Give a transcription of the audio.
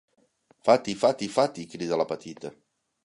Fati Fati Fati! —crida la petita—.